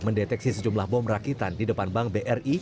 mendeteksi sejumlah bom rakitan di depan bank bri